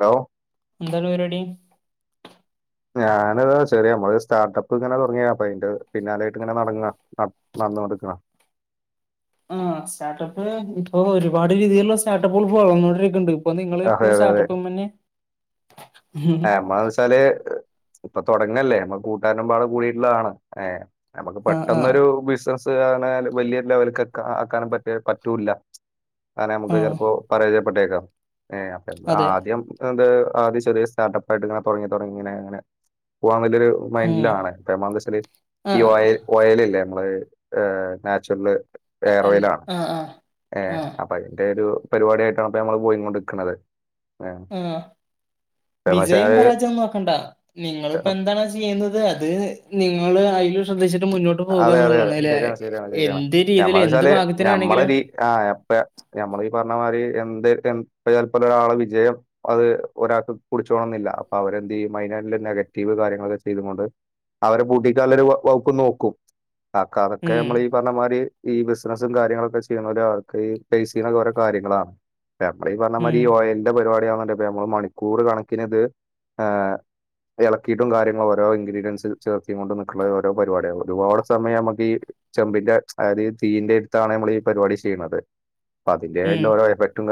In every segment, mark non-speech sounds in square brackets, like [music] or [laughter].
Hello എന്താണ് പരിപാടി ഞാനിതാ ചെറിയമ്മള് സ്റ്റാർട്ടപ്പ് ഇങ്ങനെ തുടങ്ങിയ അപ്പ അതിന്റെ പിന്നാലായിട്ട് ഇങ്ങനെ നടങ്ങ നടനോ നടക്കണ ആഹ് സ്റ്റാർട്ടപ്പ് ഇപ്പൊ ഒരുപാട് രീതിയിലുള്ള സ്റ്റാർട്ടപ്പുകൾ ഇപ്പോ വളന്നോണ്ടിക്കണ്ട് അപ്പൊ നിങ്ങള് അതെ ഇപ്പോഴും സ്റ്റാർട്ടപ്പ് മിന്നെ ആഹ് നമ്മളെന്ന് വെച്ചാല് ഇപ്പൊ തുടങ്ങണല്ലേ നമ്മ കൂട്ടുകാരമ്പാട് കൂടിയിട്ടുള്ളതാണ് ഏഹ് നമുക്ക് ആഹ് ആഹ് പെട്ടെന്നൊരു ബിസിനസ് ആണ വലിയ ലെവല്കൊക്കെ ആക്കാനും പറ്റ പറ്റൂല്ല അങ്ങനെ നമുക്ക് ആഹ് ചിലപ്പോ പരായപ്പെട്ടേക്കാം ഏഹ് അപ്പോ അതെ ആദ്യം ഇത് ആദ്യ ചെറിയ സ്ർട്ടപ്പ് ആയിട്ടിങ്ങനെ തുടങ്ങി തുടങ്ങി ഇങ്ങനെ അങ്ങനെ പോകാൻ വേണ്ടി ഒരു ഉം മൈൻഡിലണ് അപ്പ എന്ത്ന്ന് വെച്ചാല് ഈ ആഹ് ഓൽ ഓയെൽല്ലേ നമ്മള് ഏഹ് നാച്ചുറൽ ഹെയർ ആഹ് ഓയിൽ ആണ് ആഹ് ഏഹ് ആഹ് അപ്പൊ അയിന്റെ ഒരു പരിപാടിയായിട്ടാണ് അപ്പൊ നമ്മൾ പോയി കൊണ്ട്ിക്കണുന്നത് ആഹ വിജയം പക്ഷേല് പരാജയം നോക്കണ്ട നിങ്ങിളിപ്പോ എന്താണ് ചെയ്യുന്നത് അത് നിങ്ങൾ അുതില് ശ്രദ്ധിച്ചിട്ട അതെ അതെ അതെ ശരിയാണ് ശരിയാണ് ശരിയാണ് എന്ത് രീതിയില് ഞമ്മന്ന് എന്ത് വെച്ചാല് ഞമ്മള ഭാഗത്തിനാണെങ്കിലും രീ ആ എപ്പ ഞമ്മള ഈ പറഞ്ഞ മാതിരി എ ഒരാള് വിജയം അത് ഒരാൾക്ക് കുടിച്ചോണെന്നില്ല അപ്പൊ അവരെന്ത് ചെയ്യ മൈന [unintelligible] നെഗറ്റീവ് കാര്യങ്ങളൊക്കെ ചെയ്ത കൊണ്ട് അവരെ പൂട്ടിിക്ക വകുപ്പ് നോക്കും ആക്ക അതൊക്കെ ഉം നമ്മൾ ഈ പറഞ്ഞ മാതിരി ഈ ബിസിനസ്സും കാര്യങ്ങളൊക്കെ ചെയ്യുന്നല ആൾക്ക് ഈ ഫേസ് ചെയ്യുന്ന ഓരോ കാര്യങ്ങളാണ് നമ്മള് ഈ പറഞ്ഞ മാതിരി ഉം ഈ യലന്റെ പരിപാടിിയുന്നുണ്ട് ഇപ്പൊ നമ്മൾ മണിക്കൂർ കണക്കിിനത് ആ് ഇളക്കിയിട്ടും കാര്യങ്ങള ഓരോ ഇൻ്രഡിയൻസ് ചേർത്തിക്ക കൊണ്ട് നിൽക്കുള്ള ഓരോ പരിപാടികൾ ഒരുപാട് സമയം നമുക്ക് ഈ ചെമ്പിന്റെ അതായത് തീയിന്റെ അടുത്താണ് നമ്മൾ ഈ പരിപാടി ചെയ്യണത് അപ്പൊ അതിന്റെ ഉം ആയിട്ടുള്ള ഓരോ എഫക്റ്റും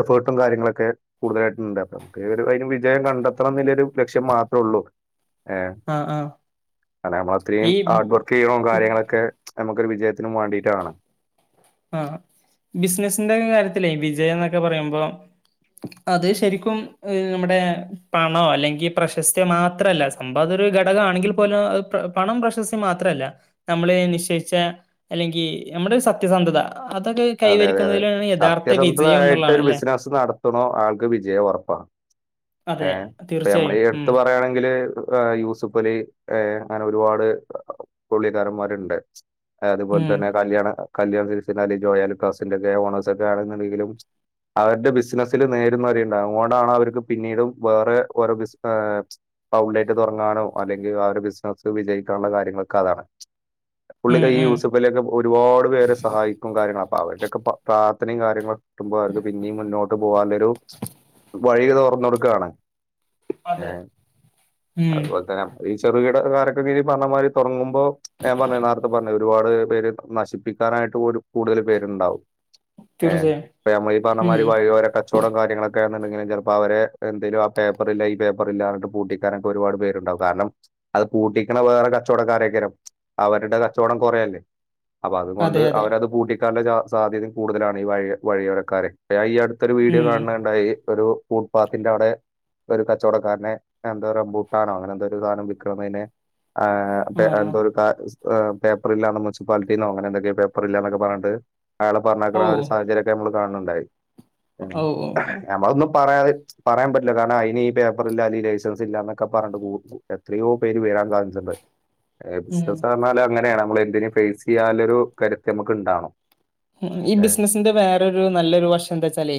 എഫേർട്ടും കാര്യങ്ങളൊക്കെ കൂടുതലായിട്ടുണ്ട് അപ്പം നമ്മക്ക് അതിന് വിജയം കണ്ടെത്തണംരു ലക്ഷ്യ മാത്ര ഉള്ളൂ ഏ ആഹ് ആഹ് അ അത്രയും ഹാർഡ് വർക്ക് ചെയ്യണോ ഈ കാര്യങ്ങളൊക്കെ നമുക്കൊരു വിജയത്തിനും വേണ്ടീട്ടാണ് ആഹ ബിസിനസിന്റെ കാര്യത്തിലെ വിജയ എന്നൊക്കെ പറയുമ്പോം അത് ശരിക്കും നമ്മുടെ പണോ അല്ലെങ്കിൽ പ്രശസ്തിയോ മാത്രല്ല സംഭവത് ഒരു ഘടക ആണെങ്കിൽ പോലും പണം പ്രശസ്തി മാത്രല്ല നമ്മള് നിശ്ചയിച്ച അല്ലെങ്കിൽ നമ്മുടെ ഒരു സത്യസന്ധത അതൊക്കെ അതെ അതെ അതെ കൈവരിക്കുന്നതിലാണ് യഥാർത്ഥ സത്യസന്ധത വിജയം ആായിട്ട് എന്നുള്ളതാണ് ഒരു അല്ലെ ബിസിനസ്സ് നടത്തണ ആൾക്ക് വിജയം ഉറപ്പ ഏ അതെ ഇപ്പ നമ്മള തീർച്ചയായും ഈ ഉം എടുത്ത് പറയയാണെങ്കില് യൂസുഫ് അലി അങ്ങനെ ഒരുപാട് പുള്ളിക്കാരന്മാരുണ്ട് അതുപോലെ ഉം തന്നെ കല്യാണം കല്യാണം സിൽസിലെ അലി ജോാല [unintelligible] ഒക്കെ ആണെന്നുണ്ടെങ്കിലും അവരുടെ ബിസിനസിൽ നേരും നെറിണ്ടാവും അതുകൊണ്ടാണ് അവർക്ക് പിന്നീടും വേറെ ഓരോ ബിസ് പൗൺലേറ്റ് തുറങ്ങാനോ അല്ലെങ്കിൽ ആ ഒരു ബിസിനസ്സ് വിജയിക്കാനുള്ള കാര്യങ്ങളൊക്കെ അതാണ് പുള്ളി ഉം ഈ ഉം യൂസ്ഫലിക്കെ ഒരുപാട് പേരെ സഹായിക്കും കാര്യങ്ങള അപ്പ അവരുടെക്കെ പ്രാർഥനയും കാര്യങ്ങളൊക്കെ കിട്ടുമ്പോ അവർക്ക് പിന്നേം മുന്നോട്ട് പോവാള്ളൊരു വഴി തൊർന്നൊട്ക്കലാണ് എ അതെ ഉം അതുപോലെത്തെന്നെ ഈ ചെറുകിട കാരക്കീ പറഞ്ഞമാരി തൊടങ്ങു മ്പോ ഞാൻ പർഞ് നേരത്തെ പർഞ് ഒരുപാട് പേര് നശിപ്പിക്കാനായിട്ടോര് കൂടുതൽ പേര്ണ്ടാവും ഏ തീർച്ചയായും പ്പ നമ്മളീ ഉം പറഞ്ഞമാതിരി വഴിയോര കച്ചവടം കാര്യങ്ങളൊ കാര്ണന്തെങ്കിലും ചെലപ്പോ അവരെ എന്തേലും ആ പേപ്പറില്ല ഈ പേപ്പറ്ല്ല എന്നർഞ്ഞിട്ട് പൂട്ടിക്കാനൊക്കെ ഒരുപാട് പേരുണ്ടാവും കാര്ണം അത് പൂട്ടിക്ക്ണ വേറെ കച്ചോടക്കാരയ്ക്കാരം അവരുടെ കച്ചവടം കൊറെയല്ലേ അപ്പൊ അതെ അതുകൊണ്ട് അതെ അവരത് പൂട്ടിക്കാനുള്ള സാധ്യതയും കൂടുതലാണ് ഈ വഴി വഴിയോരക്കാരെ ഈ അടു ടുത്തൊരു വീഡിയോ ഉം കാണണുണ്ടായി ഒരു ഫൂട്പാത്തിന്റെ അവിടെ ഒരു കച്ചവടക്കാരനെ എന്താ പറിയാ ബൂട്ടാനോ അങ്ങനെ എന്തോരു സാധനം വിക്കുന്നതിനെ ആ ഏ ആഹ് എന്തോ ഒരു പേപ്പർല്ലാന്ന് മുൻസിപ്പാലിറ്റീന്നോ അങ്ങനെ എന്തൊക്കെ പേപ്പർ ഇല്ലാന്നൊക്കെ പർഞ്ഞ് ട്ട് അയാളെ പറഞ്ഞ ഓ ഒരു സാഹചര്യക്കെ നമ്മ കാണണ്ടായി ഓ ഓ നമ്മളൊന്നും പറയാതെ പറയാൻ പറ്റില്ല കാരണം അതിന് ഈ പേപ്പർ ഇല്ല അല്ല ഈ ലൈസൻസ് ഇല്ലാന്നൊക്കെ പറഞ്ഞ്ണ്ട് പൂവും എത്രയോ പേര് വെ [unintelligible] ഉം ബിസിനസ് പർഞ്ഞാല് അങ്ങനേണ് നമ്മൾ എന്തിനും ഫേസ് ചെയ്യാനുള്ളൊരു കരുത്ത് നമുക്ക്ണ്ടാവണം ഉം ഈ ബിസിനസിന്റെ വേറൊരു നല്ലൊരു വഷം എന്താ വെച്ചാലേ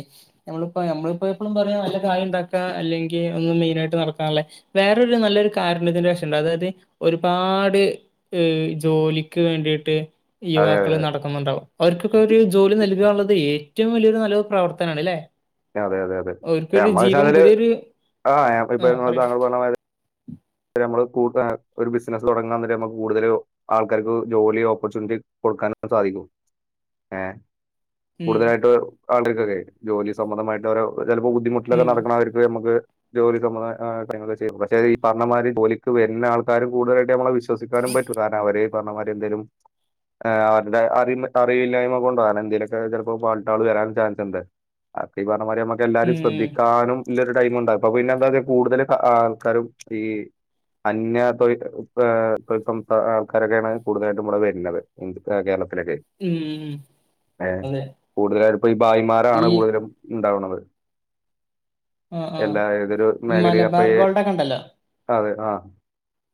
നമ്മള് ഇപ്പ നമ്മളിപ്പോ എപ്പോഴും പറയാ നല്ല കായിണ്ടാക്കാ അല്ലെങ്കി ഒന്നു മെയിനായിട്ട് നടക്കാൻള്ളെ വേറൊരു നല്ലൊരു കാ നല്ലതിന്റെ വശണ്ട് അതായത് ഒരുപാട് ഈ ജോലിക്ക് വേണ്ടിയിട്ട് അതെ അതെ യുവാക്കള് നടക്കുന്നുണ്ടാവും അവർക്കൊക്കെ ഒരു ജോലി നൽകാന്നുള്ളതേ ഏറ്റവും വലിയരു നല്ലരു പ്രവർത്തനാണ്ലേ അതെ അതെ അതെ ഓൽക്കൊരു നമ്മള വെച്ചാ ജീവം അതില് പുതിയൊരു ആ ആഹ് പറയൂ പ യമ്മള് കൂട്ടാ ഒരു ബസിനസ് തൊടങ്ങാനെര ഞമ്മക്ക് കൂടുതല് ആൾക്കാർക്ക് ജോലി ഓപ്പർച്യൂണിറ്റി കൊടുക്കാന് സാധിക്കും ഏഹ് ഉം കൂടുതലായിട്ട് [unintelligible] ജോലി സംബന്ധമായിട്ടൊരു ഉ ചെലപ്പൊ ബുദ്ധിമുട്ടിലൊക്കെ ഉം നടക്ക്ണായിരിക്കു ഞമ്മക്ക് ജോലി സംബന്ധ ആ കാര്യങ്ങളക്കെ ചെയും പക്ഷേ ഈ പർണമാരി ജോലിക്ക് വര്ണ ആൾക്കാര് കൂടുതലായിട്ട് നമ്മളെ വിശ്വസിക്കാനും പറ്റും കാരണം അവരീ പർണ മാരി എന്തേലും ആ അവരുടെ അറിമ് അറിയിവില്ലായ്മ കൊണ്ടാണ് എന്തേലൊക്കെ ചെലപ്പോ ഫോൾട്ടേള് വരാൻ ചാൻസ് ണ്ട് ബാക്കി പർ അ മാരി ഞമ്മക്കെല്ലാരിം ഉം ശ്രദ്ധിക്കാനും ള്ളൊരു ടൈമിണ്ടപ്പ പിന്നെ എന്താത് കൂടുതല് ത ആൾക്കാരും ഇയി അന്യ തൊഴി പ് എ ഉം ആ ആൾക്കാരെന്നേണ് കൂടുതലെൻ്റെ കൂടെ വര്ണത് ഉം എ കേരള ത്തിലൊക്കെയ് ഉം ഉം ഏ അതെ കൂടുതലായ്ട്ട് ഇപ്പോ ഈ ഈ ഭായിമാരാണ് കൂടുതലും ണ്ടാവ്‌ണ എർ ആ ആ എല്ലാ ഏതൊരു ഈ മേഖലി അപ്പെ മലബാർ ഗോൾഡൊക്കെ ഉണ്ടല്ലോ അതെ ആ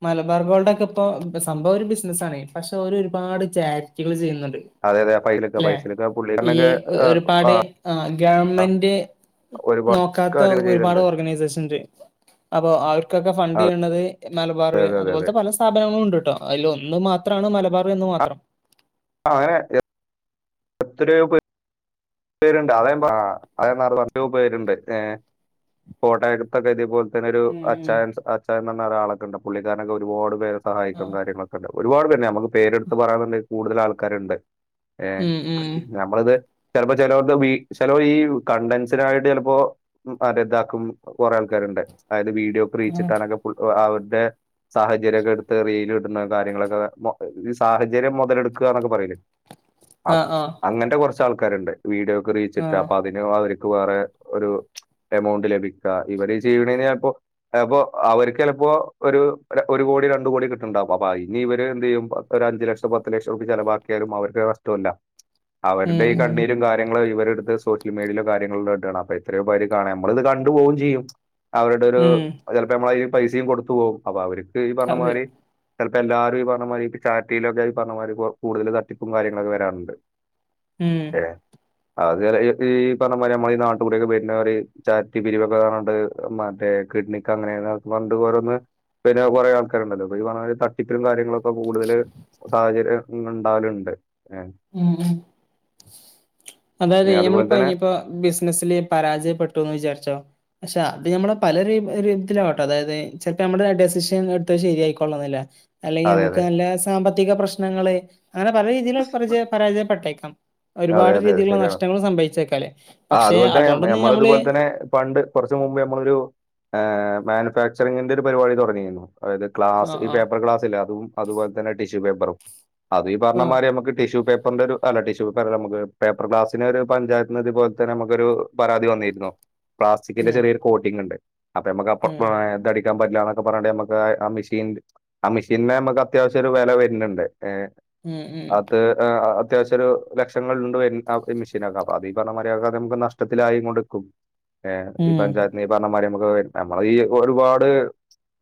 മലബാർ ഗോൾടൊക്കെ പ്പൊ പ്പ സംഭവൊരു ബിസിനസ്സാണെയ് പക്ഷെ ഒരു ഒരുപാട് ചാരിറ്റികള് ചെയ്യ്ന്ന്ൺ അതെ അതെ ഫൈലൊക്കെ ല്ലെ ഫൈസലൊക്കെ ഈ പുള്ളിക്കാരനൊക്കെ എ ആ, ഒരുപാട് ആ ഗവൺമെന്റ് ഒരുപാട് നോക്കാത്ത കാര്യങ്ങൾ ഒരുപാട് ചെയ്തിട്ടുണ്ട് ഓർഗനൈസേഷൻണ്ട് അപ്പൊ അവർക്കൊക്കെ ഫണ്ട് യെന്ന മലബാറ് അതെ അതെ അതെ അതുപോൽത്തെ പല സ്ഥാപനങ്ങളു ഉണ്ട് ട്ടോ അയില് ഒന്ന് മാത്രാണ് മലബാറ് എന്ന് മാത്രം ആ [unintelligible] എത്രയോ പെ പേര്ണ്ട് അതേ മ്പ [inaudible] പേര്ണ്ട് ഏ കോട്ടയകത്തൊക്കെ തേപോൽ എന്നൊരു ഉം അച്ചായൻസ് അച്ചായൻ ന്നർഞ്ഞൊരാളൊക്കണ്ട് പുള്ളിക്കാര്നൊക്കെ ഒരുപാട് പേരെ സഹായിക്കും കാര്യങ്ങളൊക്കണ്ടാ ഒരുപാട് പേര്ണ്ട് നമ്മക്ക് പേര്ട്ത്ത് പറയാന്ന്ണ്ടെയ് കൂടുതൽ ആൾക്കാര്ണ്ട് ഏ ഉം ഉം ഞമ്മളിത് ചെൽപ്പോ ചെലോർടെ വീ ചെലൊ ഈ കണ്ടൻസിനായിട്ട് ചെൽപ്പോ [unintelligible] കൊറെ ആൾക്കാര് ണ്ട് ആയത് വീഡിയോക്ക് ഉം റീച്ച്ട്ടാനൊക്കെ പുൾ ഒ അവര്ടെ സാഹചര്യൊക്കട്ത്ത് റീല് ട്ണ കാര്യങ്ങളൊക്കെ എ ഈ സാഹചര്യം മൊതല്‌ട്ക്ക ന്നൊക്കെ പറയിലെ അ ആഹ് ആഹ് അങ്ങൻത്തെ കൊർച്ച് ആൾക്കാര്ണ്ട് വീടിയോക്ക് റീച്ച്ട്ട ആഹ് അപ്പൊ അതിന് അവർക്ക് വേറെ ഒരു കൗണ്ട് ലഭിക്ക ഇവര് ചെയ്യ്ണെയ്‌ന് ചെൽപ്പോ എൽപ്പൊ അവർക്കെൽപ്പൊ ഒരു അ ഒരു കോടി രൺ എ കോടി കിട്ടണ്ടാവും അപ്പ പയ്നിവര് എന്തിയ്യും ഒരു അഞ്ച് ലക്ഷൊ പത്ത് ലക്ഷൊർപ്യ ചെലവാക്ക്യാലും അവർക്ക് നഷ്ടോല്ല ഉം അവരുടെ ഈ ഉം കണ്ണീരും കാര്യങ്ങളും ഒയ് വ വെറ്തേ സോഷ്യൽ മീഡിയലെ കാര്യങ്ങള് ടാണ് അപ്പൊ ഇത്രീം പേര് കാണാൻ നമ്മളിത് കണ്ടു പോവും ചെയ്യും അവരുടെ ഒരു ഉം ചെൽപൊ ഞമ്മളെ ഈ പൈസീം കൊടുത്തു പോവും അപ്പൊ അവർക്ക് ഈ പർണ അതെ മാരി ചെൽപ്പോ എല്ലാരു ഈ പർണ മാരി പ്പ ചാര്റ്റീലൊക്കെ ഈ പർണ മാരി പ്പൊ കൂടുതല് തട്ടിപ്പും കാര്യങ്ങളൊക്കെ വരാറ്ണ്ട് ഉം അത് എല എ ഈ പർണ മാരി നമ്മള ഈ നാട്ടുകൂടിയൊക്കെ വര്ണോര് ചാര്റ്റി പിരിവൊക്കെ ന്നർണ് ട്ട് മറ്റെ ഏ കിഡ്നിക്ക് അങ്ങനെന്നൊക്കെ പ്പ ഓരോന്ന് വര്ണ കൊറേ ആൾക്കാര്ണ്ടല്ലൊ പ്പ ഈ പർണ മാരി തട്ടിപ്പിലും കാര്യങ്ങളൊ പ്പൊ കൂടുതല് സ സാഹചര്യ ങ്ങള്ണ്ടാവല്ണ്ട് ഉം ഉം പിന്നെ അതായതേയ് അതുപോലെ ഞമ്മളിപ്പോ തന്നെ ഇഞ്ഞിപ്പോ ബിസിനസില് പരാജയപ്പെട്ടൂന്ന് വിചാരിച്ചോ [unintelligible] അത് ഞമ്മളെ പലരിം ഒരിത്തലു ആവാട്ടൊ അതായത് ചെൽപ്പോ നമ്മുടെ ഡെസിഷൻ എട്ത്തത് ശരിയായിക്കോള്ളന്നില്ല അല്ലെങ്കി അതെ ഞമ്മക്ക് അതെ. നല്ല സാമ്പത്തിക പ്രശ്നങ്ങള് അങ്ങനെ പല രീതീല് പരജ പരാജയപ്പെട്ടേക്കാം അതെ ഒരുപാട് അതെ രീതീല്ള്ള ശരിയാണ്. നഷ്ടങ്ങളും സംഭവിച്ചേക്കാലേ ആ അതുപോൽ തന്നെ മ്മ ഞമ്മള് ഇതുപോലെ തന്നെ പണ്ട് കൊർച്ച് മുമ്പ് ഞമ്മളൊരു ഏ മാനുഫാക്ചറിങ്ങിന്റെ ഒരു പരിപാടി തൊടന്നീന്നു അതായത് ക്ലാസ് ആഹ് ഈ ആഹ് പേപ്പർ ഗ്ലാസ് ഇല്ലെ അതും അതുപോൽ തന്നെ ടിഷ് ഷു പേപ്പറും അത് ഈ പരണ ആഹ്. മാരി നമ്മക്ക് ടിഷ്യു പേപ് കൊണ്ടൊരു അല്ല ടിഷ്യൂ [unintelligible] നമ്മക്ക് പേപ്പർ ഗ്ലാസിന് ഒരു പഞ്ചായത്ത്ന്ന് ത്പോൽ തന്നെ നമുക്കൊരു പരാതി വന്നിര്ന്നു പ്ലാസ്റ്റിക്കിന്റെ ഉം ചെറിയൊരു കോട്ടിങ്ങ്ണ്ട് അപ്പൊ ഞമ്മക്ക് അപ്പപ് ഉം പ ഏ തടി കാൻ പറ്റ്ലാ ന്ന് പർണ് ട്ട് നമ്മക്കാ ആ മെഷീണ്ട് ആ മെഷീന്ന് നമ്മക്ക് അത്യാവശ്യൊരു വെല വര്ണ് ണ്ട് ഏ ഉം ഉം അത് ആ ആ അത് അത്യാവശ്യം ഒരു ലക്ഷങ്ങള്ണ്ട് വര്ണ് ആ ഈ മെഷീനൊക്കെ അപ്പൊ അത് ഈ പറഞ്ഞ മാതിരി അത്പ്പംനമ്മക്ക് നഷ്ടത്തിലായി കൊണ്ട്ക്കും ഏ ഈ ഉം പഞ്ചായത്ത്ന്നീ പറഞ്ഞ മാതിരി നമ്മ്ക്ക് നമ്മളീ ഈ ഒരുപാട്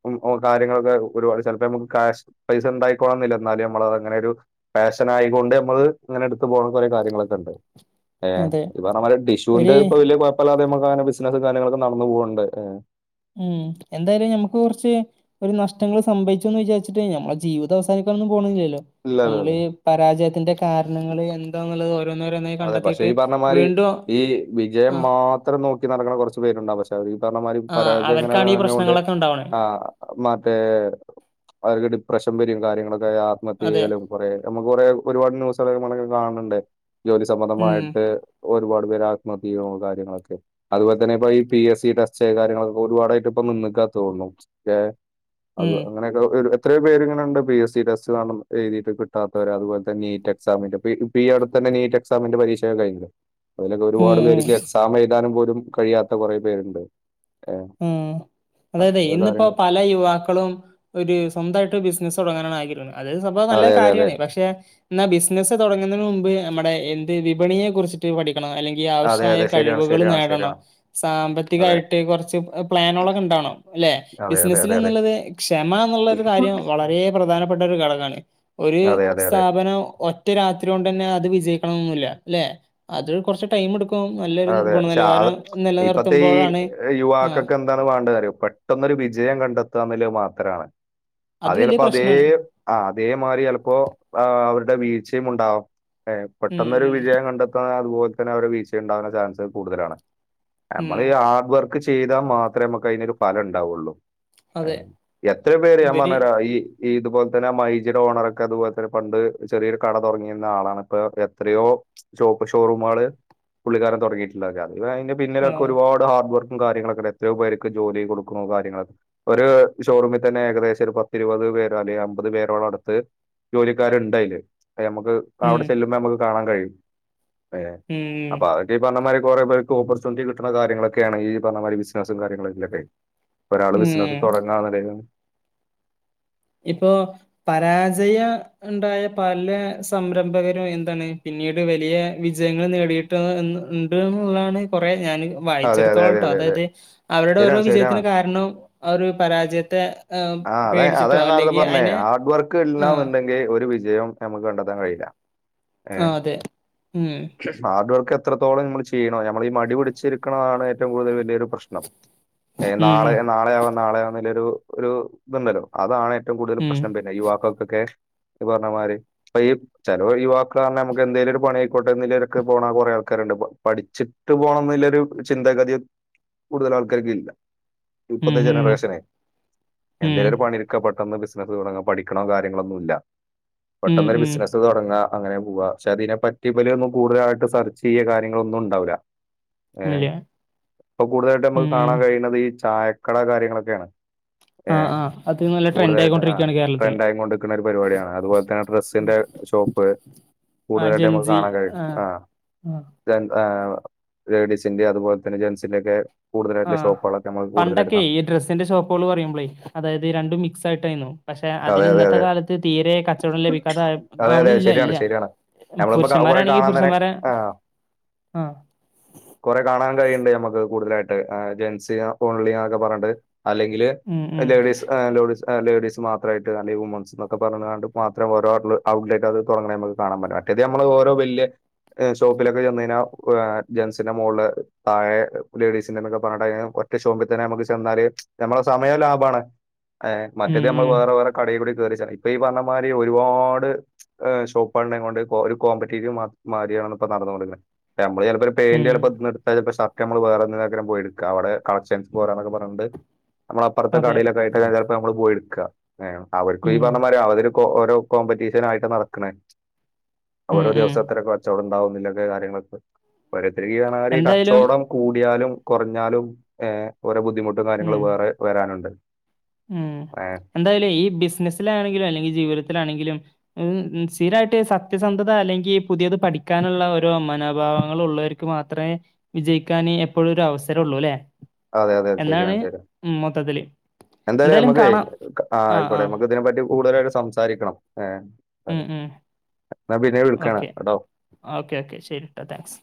ഉം ഓ കാര്യങ്ങളൊക്കെ ഒരുപാട് ചെലപ്പോ നമ്മക്ക് കാശ് പൈസ ഇണ്ടായിക്കോളണംന്നില്ല എന്നാലും നമ്മളത് അങ്ങനെ ഒരു പാ ഫാഷനായി കൊണ്ട് നമ്മള് ഇങ്ങനെ എടുത്ത് പോണ കൊറെ കാര്യങ്ങളൊക്കെ ഇണ്ട് ഏ ഉം അതെ. ഇയ്യ്പറഞ്ഞമ്മാതിരി ഡിഷുന്റെ ഇപ്പൊ ഒര് വല്ല്യയ കൊഴപ്പല്ലാതെ നമ്മൾ ഇപ്പങ്ങനെ ബിസിനസ്സും കാര്യങ്ങളൊക്കെ നടന്ന് പോക്ണ്ട് ഏ ഉം എന്തായാലും നമ്മുക്ക് കുറച്ച് ഒരു നഷ്ടങ്ങള് സംഭവിച്ചുന്ന് വിചാരിച്ചിട്ട് നമ്മടെ ജീവിത അവസാനി ക്കൊന്നും പോണില്ലല്ലോ ഇല്ല ഇല്ല നമ്മളീ ഇല്ല പരാജയത്തിന്റെ കാരണങ്ങള് എന്താന്ന്ള്ളത് ഓൽ അതെ പക്ഷേ ഈ പറഞ്ഞ മാതിരി ഈ വിജയം ആ മാത്രം നോക്കി നടക്കണ കുറച്ചു പേരുണ്ടാവും പക്ഷേ അത് പറഞ്ഞമാരി ആ പരാജയംങ്ങനെ അവർക്കാണ് ഈ വങ്ങ്യോണ്ട് പ്രശ്നങ്ങളൊക്കെ ഉണ്ടാവണേ ആ മറ്റേ അവര് ഡിപ്രഷൻ [unintelligible] കാര്യങ്ങളൊക്കെ ആയാ അതെ ആത്മഹത്യയ്യലും കുറെ നമുക്ക് കുറേ ഒരുപാട് ന്യൂസൊക്കെ നമ്മള് കാണണ്ട് ജോലി ഉം സംബന്ധമായിട്ട് ഒരുപാട് [unintelligible] ആത്മഹത്യ ചെയ്യും കാര്യങ്ങളൊക്കെ അതുപോലെ തന്നെപ്പം ഈ പി എസ് സി ടെസ്റ്റ് കാര്യങ്ങളൊക്കെ ഒരുപാടായിട്ടിപ്പം നിന്ന്ക്ക തോന്നും ഏ അത് ഉം അങ്ങനെയൊക്കെ [unintelligible] എത്രയോ പേര് ഇങ്ങനുണ്ട് പി എസ് സി ടെസ്റ്റ് കാണ എഴുതിട്ട് കിട്ടാത്തവര് അതുപോലെ തെന്നെ നീറ്റ് എക്സാമ്ണ്ട് ഇപ്പം ഈ ഇപ്പീ അടുത്ത് തന്ന നീറ്റ് എ എക്സാമിന്റെ പരീക്ഷയൊക്കെ കഴഞ്ഞു അതിനൊക്കെ ഉം ഒരുപാട് ഉം പേര്ക്ക് എക്സാം എഴുതാനും പോലും കഴിയാത്ത കൊറേ പേര്ണ്ട് ഹും അതെയതെ ഇന്നിപ്പോ കാര്യങ്ങൾ പല യുവാക്കളും ഒരു സ്വന്തായിട്ട് ബിസ് ബിസ്നസ് തുടങ്ങാനാണ് ആഗ്രഹം അത് സംഭവ നല്ല അതെ അതെ അതെ കാര്യാണ് പക്ഷെ ന്നാ ബിസ്നസ്സ് തുടങ്ങുന്നതിന് മുമ്പ് നമ്മുടെ എന്ത് വിപണിയെ കുറിച്ചിട്ട് പഠി ക്കണം അല്ലെങ്കിൽ അതെ ആവശ്യമായ അതെ ശരിയാണ് കഴിവുകൾ ശരിയാണ് നേടണം ശരിയാണ് അതെ സാമ്പത്തികായിട്ട് കൊറാ ച്ച് പ്ലാനൊളൊക്കെ ഉണ്ടാകണം അല്ലെ അതെ അതെ അതെ അതെ ബിസിനസിൽന്നുള്ളത് ക്ഷമ എന്നുള്ള ഒരു കാര്യം വളരെ പ്രാധാന് പ്രധാനപ്പെട്ട ഒരു ഘടകമാണ് ഒരു അതെ അതെ അതെ സ്ഥാപനം ഒറ്റ രാത്രി കൊണ്ട് തന്നെ അത് വിജയിക്കണംന്നൊന്നുല്ല ല്ലെ അത് കൊറ്ച്ച് ടൈമ് ഇട് [unintelligible] നല്ലൊരു അതെ പക്ഷെ ഗുണനിലവാരം നിലനിർത്തുമ്പോഴാണ് ആ യുവാക്കക്ക് എന്താണ് വേണ്ടതാ അറിയോ പെട്ടെന്നൊരു വിജയം കണ്ടെത്ത മാത്രാണ് അത് വലിയ ചിലപ്പോ അതേ പ്രശ്നാണ് ആ അതേമാരി ചിലപ്പോ അ് ദ വീഴ്ചയും ഉണ്ടാവാം ഏ ഉം പെട്ടെന്നൊരു വിജയം കണ്ടെത്ത അതുപോൽ തന്നെ അവരെ വീഴ്ച ണ്ടാവാള്ള ചാൻസ് കൂടുതലാണ് ഉം ഉം നമ്മളീ ഹാർഡ് വർക്ക് ക്ക് ചെയ്താ മാത്രേമ്മക്കയ്നൊരു ഫലണ്ടാവൊള്ളു അയ് അതെ എത്ര പേര് ഞാ ഇവര് പർഞ്ഞരാ ഈ ഈ ഇതുപോലെ തന്നെ മൈജിയുടെ ഓണറൊക്കെ അതുപോലെ തന്നെ പണ്ട് ചെറിയൊരു കട തുടങ്ങിരുന്ന ആളാണ് ഇപ്പൊ എത്രയോ ഷോപ്പ് ഷോറൂമാള് പുള്ളിക്കാരൻ തുടങ്ങിയിട്ടില്ലെ അതെ അയ്ന്റെ പിന്നിലൊക്കെ ആഹ് ഒരുപാട് ഹാർഡ് വർക്ക് ഉം കാര്യങ്ങളൊക്കെത്രയോ പേര്ക്ക് ജോലി കൊടുക്കുണൂ കാര്യങ്ങ ഒര് ഷോറൂമി തന്നെ ഏകദേശൊരു പത്തിരുപത് പേരോ അല്ലെ അമ്പത് പേരോളടുത്ത് ജോലിക്കാര്ണ്ടയ്ല് അപ്പ ഞമ്മക്ക് അവട ഉം ചെല്ലുമ്പൊ ഞമ്മക്ക് കാണാൻ കഴിയും. ഏ ഉം അപ്പ അഒക്കെ ഈ പർഞ്ഞ മാരി പ്പ കൊറേ പേർക്ക് ഓപ്പർച്യുണിറ്റി കിട്ട്ണ കാര്യങ്ങളൊക്കേണങ്കീ പർഞ്ഞ മാരി ബിസിനസ്സും കാര്യങ്ങളു [unintelligible] ഒരാള് ഉം ബിസിനസ്സ് തൊടങ്ങാ [unintelligible] ഇപ്പോ പരാജയ ണ്ടായ പല സംരംഭകരും എന്തണ് പിൻ ന്നീട് വലിയെ വിജയങ്ങൾ നേടീട്ട് എന്ന് ണ്ട് ന്നുള്ളാണ് കൊറേ ഞാന് പ്പം അതെ അതെ അതെ വായിച്ചെടുത്തോളട്ടോ അതെ അതെ അതായത് അവരുടെ ഓരോ ശരിയാണ് ശരിയാണ് വിജയത്തിന് കാരണം അവര് പരാജയത്തെ ഏ ഉം പേടിച്ചി താ ഞാൻ നാർത പർഞ്ഞേ ഹാർഡ് വർക്ക് ല്ലാന്നുണ്ടെങ്കി ഒരു വിജയം ഞമ്മക്ക് കണ്ടെത്താൻ കഴിയില്ല. ഏഹ് ആഹ് അതെ ഉം ഹാർഡ്വർ ക്കെത്രത്തോളം നമ്മള് ചെയ്യ്ണോ ഞമ്മളീ മടി പിടിച്ചിരിക്കണതാണ് ഏറ്റവും കൂടുതൽ വല്യൊരു പ്രശ്നം ഏ ഉം നാളെയാ നാളെയാവാം നാളെയാവാം ന്ന്ല്ലൊരു ഒരു തുണ്ടല്ലോ അതാണ് റ്റവും കൂടുതൽ ഉം പ്രശ്നം വര് യുവാക്കക്കൊക്കെ ത് പർഞ്ഞ മാതിരി പ്പ ഈ ചലോ യുവാക്കർഞ്ഞ നമുക്ക് എന്തേലും ഒരു പണിയയ്ക്കോട്ടെന്ന്ല്ലെൽക്ക്‌ പോണ കൊറേ ക്കാരുണ്ട് പ പഠിച്ചിട്ട് പോണം ന്ന്ല്ലൊരു ചിന്താഗതി കൂടുതലാൾക്കാർക്കില്ല. ഉം ഇപ്പത്തെ ഉം ജനറേഷനെ ഉം എന്തേലൊരു പണി ഇരിക്ക പ ട്ടെന്ന് ബിസിനസ്സ് തുടങ്ങ പഠിക്കണോ കാര്യങ്ങളൊന്നും ഇല്ല ഉം ഉം പെട്ടെന്നോര് ഉം ബിസിനസ്സ് തുടങ്ങ അങ്ങനെ പോവാ ചതിനെ പറ്റി ഇബല് ഒന്നും കൂടുതലാട്ട് സെർച്ച് ചെയ്യേ കാര്യങ്ങളൊന്നു ഉണ്ടാവൂല്ല ഏഹ് ഇല്ല ഇപ്പൊ കൂടുതലാട്ട് നമ്മക്ക് ഉം കാണാൻ കഴിയണത് ഈ ചായക്കട കാര്യങ്ങളക്കെയാണ് ആഹ് ഏഹ് ആഹ് അത് നല്ല ട്രെൻഡ് കൂടുതലാട്ട് ആഹ് ആയിക്കൊണ്ടിരിക്കുകയാണ് കേരളത്തില് ട്രെൻഡയി കൊണ്ടിക്കണഒരു പരിപാടിയാണ് അതുപോൽതന്നെ ഡ്രസിന്റെ ഷോപ്പ് ആഹ് കൂടുതലാട്ട് യമ്മക്ക് ജെൻസി കാണൻ കഴിയും ആഹ് അഹ് [unintelligible] ലേഡീസിന്റെ അതുപോൽ തന്നെ ജെന്റ്സിന്റെ ഒക്കെ ആഹ് പണ്ടൊക്കെ ഈ ഡ്രസ്സിന്റെ ഷോപ്പോള് പറയുമ്പ്ളേ അതായതിരണ്ടും മിക്സ് ആയിട്ടായിന്നു പക്ഷെ അതെ, അതിന് അതെ, ഇന്നത്തെ അതെ. കാലത്ത് തീരെ കച്ചവടം ലഭിക്കാത അതെ, അതെ. ശരിയാണ്, ആവണില്ലല്ല ശരിയാണ്. നമ്മളിപ്പോ ക കൊറേ പുരുഷന്മാരാണെങ്കി കാണാൻ തന്നെ പുരുഷന്മാരെ ആഹ് കൊറെ കാണാൻ കഴിയുണ്ട് നമ്മുക്ക് കൂടുതലായി അഹ് ജെൻസ് ഓൺലിയന്നക്ക പറഞ്ഞട്ട് അല്ലെങ്കിൽ ഉം ഉം ലേഡീസ് [unintelligible] അഹ് ലേഡീസ് മാ ത്രയിട്ട് അല്ലെവുമൺസ്ന്ന്ക്കെ പറങാണ്ട്പാത്രേ ഓരോ ഔട്ട്ലെറ്റ്ത് തൊടങ്ങണെമക്ക് കാണാ [unintelligible] അറ്റേത് യമ്മൾഓരോ ഓരോ വീ ല്ലേ ഷോപ്പിലൊക്കെ ചെന്നഴിഞ്ഞാ ജെന്സിന്റെ മോള് താഴെ ലേഡീസിന്റെറെന്നൊക്കെ പറഞ്ഞ മറ്റ ചോപിൽ തന്നെ നമുക്ക് ചെന്നാല് നമ്മള സമയം ലാഭമാണ് ഏ ഉം മറ്റേത് നമ്മൾ ഉം വേറെ വേറെ കടയിൽ കൂടി കയറിച്ച ഇപ്പൊ ഈ പറഞ്ഞ മാതിരി ഒരുപാട് ഷോപ്പ്ൾകൊണ്ട് ഒരു കോമ്പറ്റീവ് മാരിയാണ ഇപ്പ നടന്ന കൊടുക്കുന്നത് നമ്മള് ചെലപ്പോ പെന്റ് ഉം ചിലപ്പോ ഷർ നമ്മള് വേറെ എവിടുന്നെങ്കിലും പോയി എടുക്ക അവിടെ കളക്ഷൻസ് പോറെന്നൊക്കെ പറഞ്ഞട്ടണ്ട് നമ്മള അപ്പുറത്തെ അതെ കടയിലൊക്കെയിട്ട് ചിലപ്പോ നമ്മള് പോയി എടുക്ക അവർക്കും ഈ ഉം പറഞ്ഞമാരി അവര് ഓരോ കോമ്പറ്റീഷനായിട്ട് നടക്കണ് ഉം ഓരോ ഉം ദിവസഎത്ര കച്ചവടം കാര്യങ്ങളൊക്കെ പോരത്തിരിണാല് ഈ എന്തായാലും കച്ചവടം കൂടിയാലും കുറഞ്ഞാലും ഓരോ ബുദ്ധിമുട്ടും ഉം കാര്യങ്ങളും വേറെ വരാനുണ്ട് ഉം ഏഹ് എന്തായാലും ഈ ബിസിനസ്സിലാണെങ്കിലും അല്ലെങ്കിൽ ജീവിതത്തിലാണെങ്കിലും സീരായിട്ട് സത്യസന്ധത അല്ലെങ്കിൽ പുതിയ അത് പഠിക്കാനുള്ള ഓരോ മനോഭാവങ്ങൾ ഉള്ളവർക്ക് മാത്രമേ വിജയിക്കാൻ എപ്പോഴ ഒരു അവസരം ഉള്ളൂ ലെ അതെ അതെ ശെരിയാണ് ശരി മൊത്തത്തില്. എന്തായാലും നമ്മുക്ക് ആ ആയിക്കോട്ടെ നമുക്ക് ഇതിനെ പറ്റി കൂടുതലായിട്ട് സംസാരിക്കണം എ ഉം, ഉം. അ ഓക്കെ ഓക്കേ ഓക്കേ ശരി ട്ടാ താങ്ക്സ്